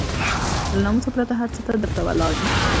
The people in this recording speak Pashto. له ناموسه پرته هر څه ته درته ولاړ يم.